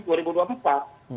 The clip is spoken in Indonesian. tawaran baru apa